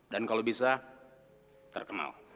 dan kalau bisa terkenal